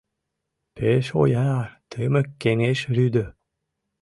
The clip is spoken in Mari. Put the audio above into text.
Пеш ояр тымык кеҥеж рӱдӧ.